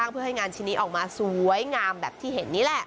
เพื่อให้งานชิ้นนี้ออกมาสวยงามแบบที่เห็นนี่แหละ